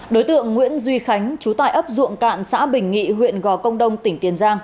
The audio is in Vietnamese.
đối tượng nguyễn duy khánh chú tại ấp ruộng cạn xã bình nghị huyện gò công đông tỉnh tiền giang